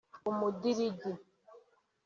Umudirigi